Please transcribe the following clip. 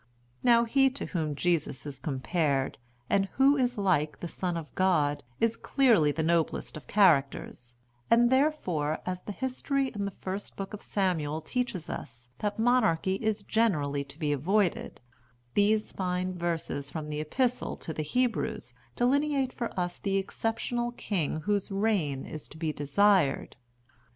Now he to whom Jesus is compared, and who is like the Son of God, is clearly the noblest of characters; and therefore, as the history in the first book of Samuel teaches us that Monarchy is generally to be avoided, these fine verses from the Epistle to the Hebrews delineate for us the exceptional king whose reign is to be desired.